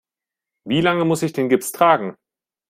Wie lange muss ich den Gips tragen?